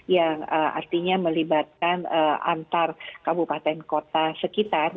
yang artinya melibatkan antar kabupaten kota sekitar